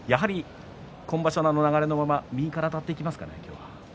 今場所の流れのまま右からあたっていきますかね